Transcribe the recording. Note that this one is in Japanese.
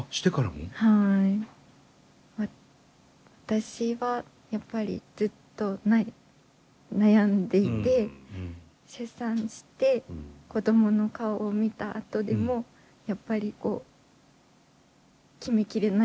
私はやっぱりずっと悩んでいて出産して子供の顔を見たあとでもやっぱり決めきれないところがあって。